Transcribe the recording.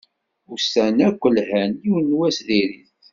Ussan akk lhan, yiwen n wass dir-it.